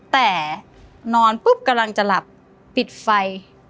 แต่นอนปุ๊บกำลังจะหลับปิดไฟ